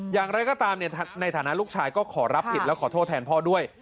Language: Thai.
อย่างไรก็ตามในฐานะลูกชายก็ขอรับผิดและขอโทษแทนพ่อด้วย